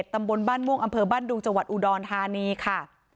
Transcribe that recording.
ตำบลบ้านม่วงอำเภอบ้านดุงจังหวัดอุดรธานีค่ะ